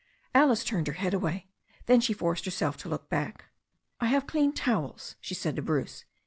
Alice turned her head away. Then she forced herself to look back. "I have clean towels," she said to Bruce.